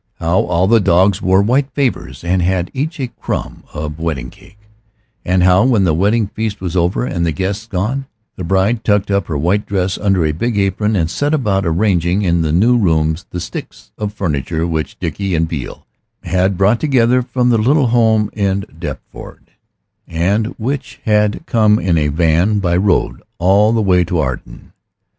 How all the dogs wore white favors and had each a crumb of wedding cake; and how when the wedding feast was over and the guests gone, the bride tucked up her white dress under a big apron and set about arranging in the new rooms the "sticks" of furniture which Dickie and Beale had brought together from the little home in Deptford, and which had come in a van by road all the way to Arden.